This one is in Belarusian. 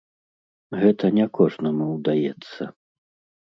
Гэта не кожнаму ўдаецца.